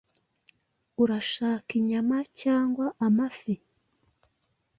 Urashaka inyama cyangwa amafi?